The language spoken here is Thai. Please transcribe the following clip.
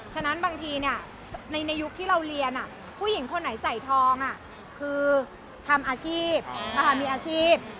ฉะนั้นบางทีในยุคที่เราเรียนผู้หญิงคนไหนใส่ทองคือทำอาชีพมีอาชีพ